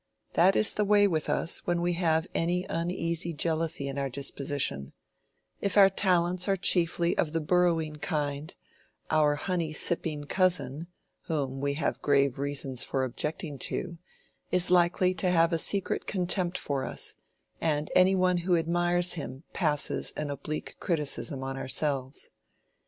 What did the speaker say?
That is the way with us when we have any uneasy jealousy in our disposition: if our talents are chiefly of the burrowing kind, our honey sipping cousin (whom we have grave reasons for objecting to) is likely to have a secret contempt for us, and any one who admires him passes an oblique criticism on ourselves.